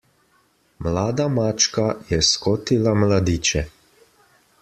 Mlada mačka je skotila mladiče.